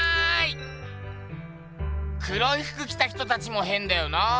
黒いふく着た人たちもへんだよな。